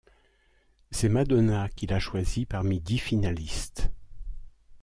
C'est Madonna qui l'a choisie parmi dix finalistes.